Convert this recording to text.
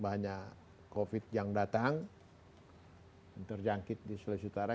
banyak covid yang datang terjangkit di sulawesi utara